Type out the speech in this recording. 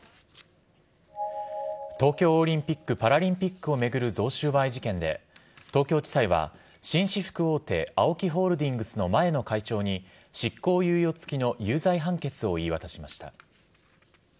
東京オリンピック・パラリンピックを巡る贈収賄事件で東京地裁は、紳士服大手ＡＯＫＩホールディングスの前の会長に執行猶予付きの有罪判決を言い渡しました。